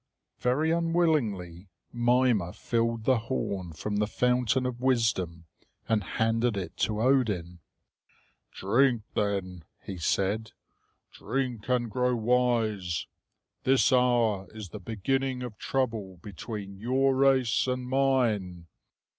Very unwillingly Mimer filled the horn from the fountain of wisdom and handed it to Odin. "Drink, then," he said; "drink and grow wise. This hour is the beginning of trouble between your race and mine."